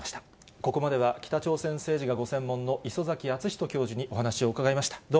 ここまでは北朝鮮政治がご専門の礒崎敦仁教授にお話を伺いました。